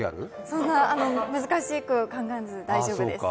そんな難しく考えず、大丈夫です。